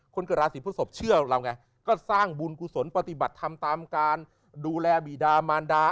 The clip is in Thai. คนเกิดราศีพฤศพเชื่อเราไงก็สร้างบุญกุศลปฏิบัติธรรมตามการดูแลบีดามารดา